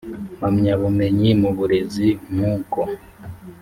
mpamyabumenyi mu burezi nk uko